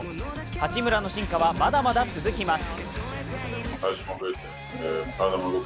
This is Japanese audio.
八村の進化はまだまだ続きます。